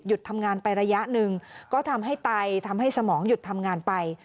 ทำงานไประยะหนึ่งก็ทำให้ไตทำให้สมองหยุดทำงานไป